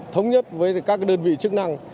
thống nhất với các đơn vị chức năng